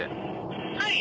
はい。